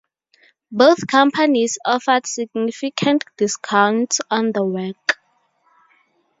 Both companies offered significant discounts on the work.